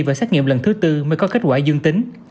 và xét nghiệm lần thứ tư mới có kết quả dương tính